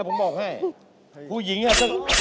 ผมบอกให้ผู้หญิงอ่ะ